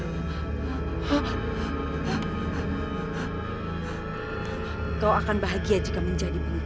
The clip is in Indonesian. kau akan bahagia jika menjadi pemimpin